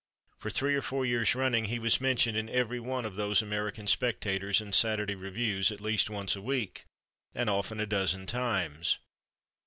For three or four years running he was mentioned in every one of those American Spectators and Saturday Reviews at least once a week, and often a dozen times.